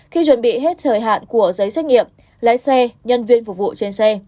khi chuẩn bị hết thời hạn của giấy xét nghiệm lái xe nhân viên phục vụ trên xe